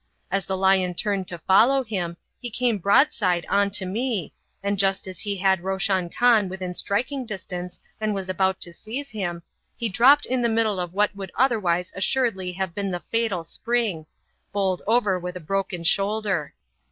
As the lion turned to follow him, he came broadside on to me, and just as he had Roshan Khan within striking distance and was about to seize him, he dropped in the middle of what would otherwise assuredly have been the fatal spring bowled over with a broken shoulder.